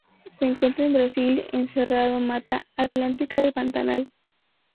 Se encuentra en Brasil en Cerrado, Mata Atlántica y Pantanal.